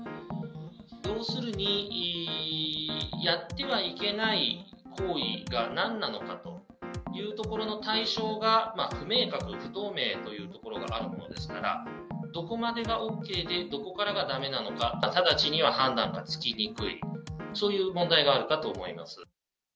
要するに、やってはいけない行為がなんなのかというところの対象が不明確、不透明というところがあるものですから、どこまでがＯＫでどこからがだめなのか、直ちには判断がつきにくい、そういう問題があるかと思います。